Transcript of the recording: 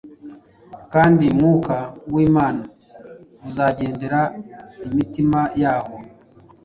kandi Mwuka w’Imana azagenderera imitima yabo